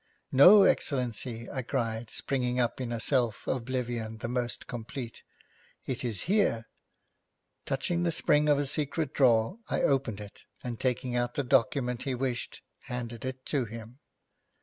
'No, Excellency,' I cried, springing up in a self oblivion the most complete, 'it is here.' Touching the spring of a secret drawer, I opened it, and taking out the document he wished, handed it to him.